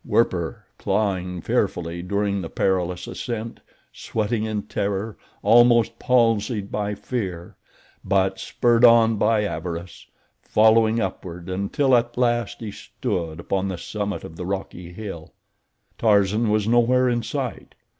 Werper, clawing fearfully during the perilous ascent, sweating in terror, almost palsied by fear, but spurred on by avarice, following upward, until at last he stood upon the summit of the rocky hill. Tarzan was nowhere in sight.